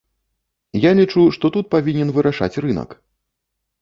Я лічу, што тут павінен вырашаць рынак.